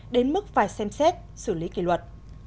đến mức phải xem xét xử lý kỷ luật